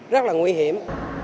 rất là nguy hiểm